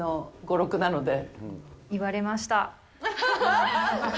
よく言われました。